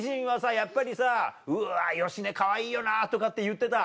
やっぱりさ「うわ芳根かわいいよな」とかって言ってた？